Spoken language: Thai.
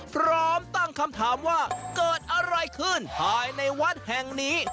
พร้อมตั้งคำถามว่าเกิดอะไรขึ้นภายในวัดแห่งนี้